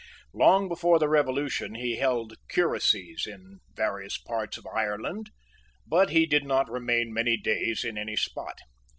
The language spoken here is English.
Long before the Revolution he held curacies in various parts of Ireland; but he did not remain many days in any spot.